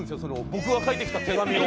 僕が書いてきた手紙を。